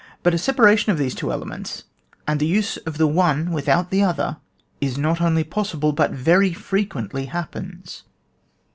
But a separation of these two elements, and the use of the one without the other is not only possible, but very frequently happens.